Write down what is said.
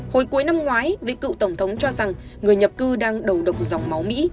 hồi cuối năm ngoái với cựu tổng thống cho rằng người nhập cư đang đầu độc dòng máu mỹ